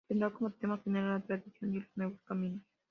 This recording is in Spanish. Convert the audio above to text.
Tendrá como tema general "La Tradición y los nuevos caminos".